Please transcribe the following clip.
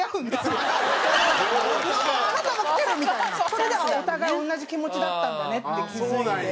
それでお互い同じ気持ちだったんだねって気付いて。